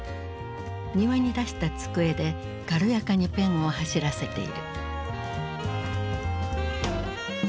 庭に出した机で軽やかにペンを走らせている。